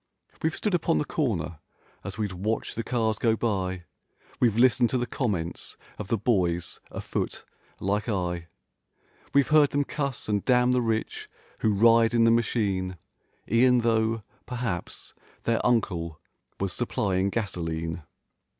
We've stood upon the corner as we'd watch the cars go by; We've listened to the comments of the boys a foot, like I; ^ We've heard them cuss and damn the rich, who ride in the machine. E'en though, perhaps, their uncle was supplying gasoline.